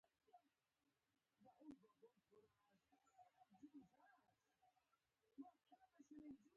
ستا په غیږ کې ځای راته جوړ کړه.